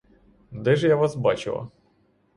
Де ж я вас бачила?